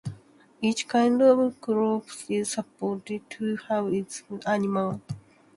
Each kind of crop is supposed to have its special animal.